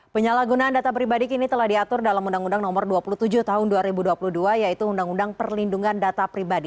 penyalahgunaan data pribadi kini telah diatur dalam undang undang nomor dua puluh tujuh tahun dua ribu dua puluh dua yaitu undang undang perlindungan data pribadi